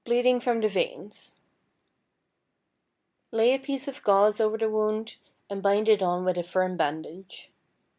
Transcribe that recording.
=Bleeding from the Veins.= Lay a piece of gauze over the wound and bind it on with a firm bandage.